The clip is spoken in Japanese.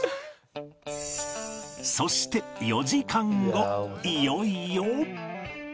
そして４時間後いよいよ